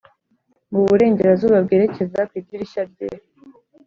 muburengerazuba bwerekeza ku idirishya rye.